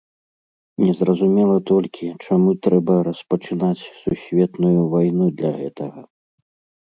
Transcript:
Незразумела толькі, чаму трэба распачынаць сусветную вайну для гэтага.